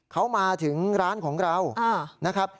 เขามาถึงร้านของเรานะครับ